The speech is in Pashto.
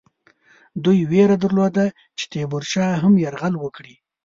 دوی وېره درلوده چې تیمورشاه هم یرغل وکړي.